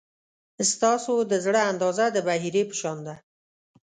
ستاسو د زړه اندازه د بحیرې په شان ده.